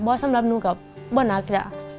เราก็เป็นคนที่ารักด้วยเจ้า